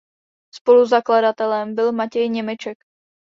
Spoluzakladatelem byl Matěj Němeček.